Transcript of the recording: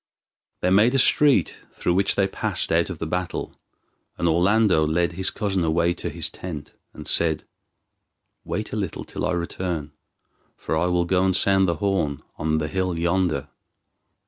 They made a street through which they passed out of the battle, and Orlando led his cousin away to his tent, and said, "Wait a little till I return, for I will go and sound the horn on the hill yonder."